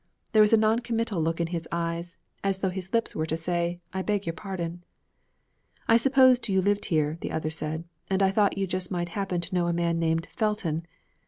There was a noncommittal look in his eyes, as though his lips were to say, 'I beg your pardon.' 'I supposed you lived here,' the other said, 'and I thought you might just happen to know a man named Felton.